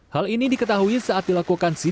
hal ini diketahui saat dilakukan sida ke gudang bulog